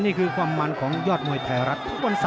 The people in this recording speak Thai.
นี่คือความมันของยอดมวยทายรัฐ